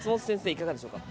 いかがでしょうか。